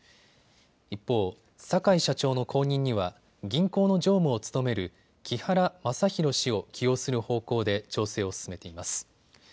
一方、坂井社長の後任には銀行の常務を務める木原正裕氏を起用する方向で調整を進めています。